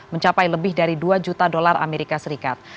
mencapai lebih dari dua juta dolar amerika serikat